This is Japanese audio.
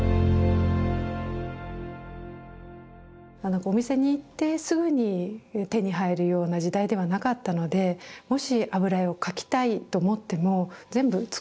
お店に行ってすぐに手に入るような時代ではなかったのでもし油絵を描きたいと思っても全部作る一から作るしかなかったと。